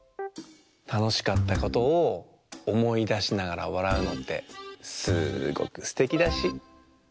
たのしかったことをおもいだしながらわらうのってすごくすてきだし。